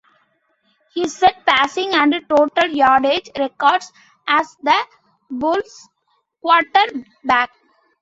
He set passing and total yardage records as the Bulls' quarterback.